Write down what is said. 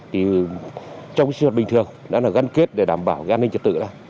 trong sự bình thường đã gắn kết để đảm bảo an ninh trật tự